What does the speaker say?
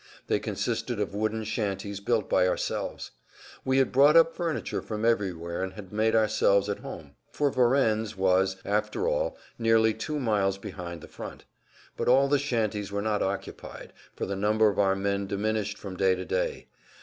They consisted of wooden shanties built by ourselves. We had brought up furniture from everywhere and had made ourselves at home; for Varennes was, after all, nearly two miles behind the front. But all the shanties were not occupied, for the number of our men diminished from day to day.